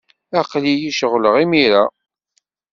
Aql-iyi ceɣleɣ imir-a.